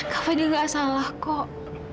kafa dia gak salah kok